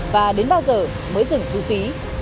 và đến bao giờ mới dừng thu phí